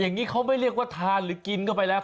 อย่างนี้เขาไม่เรียกว่าทานหรือกินเข้าไปแล้ว